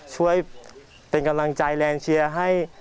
ช่วยเป็นกำลังใจแรงเชียร์ให้